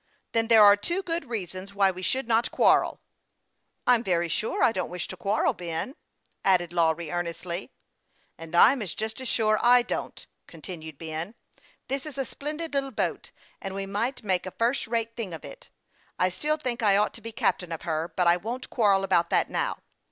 " Then there are two good reasons why we should not quarrel." " I'm very sure I don't wish to quarrel, Ben," added Lawry, earnestly. " And I'm just as sure I don't," continued Ben. " This is a splendid little boat, and we might make a first rate thing of it. I still think I ought to be captain of her ; but I won't quarrel about that now.